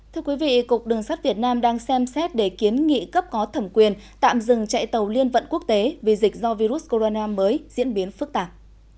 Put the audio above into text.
thưa quý vị cục đường sắt việt nam đang xem xét để kiến nghị cấp có thẩm quyền tạm dừng chạy tàu liên vận quốc tế vì dịch do virus corona mới diễn biến phức tạp